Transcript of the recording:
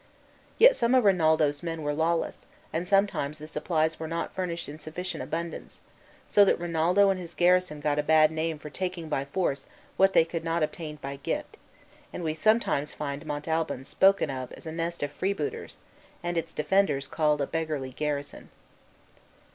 Yet some of Rinaldo's men were lawless, and sometimes the supplies were not furnished in sufficient abundance, so that Rinaldo and his garrison got a bad name for taking by force what they could not obtain by gift; and we sometimes find Montalban spoken of as a nest of freebooters, and its defenders called a beggarly garrison.